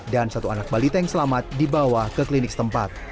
kecelakaan yang menjelaskan terjadi di dalam mobil